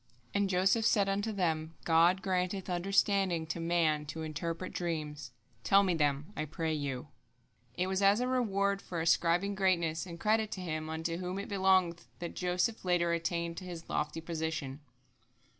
And Joseph said unto them: "God granteth understanding to man to interpret dreams. Tell them me, I pray you." It was as a reward for ascribing greatness and credit to Him unto whom it belongeth that Joseph later attained to his lofty position.